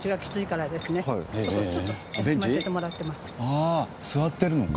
ああ座ってるのか。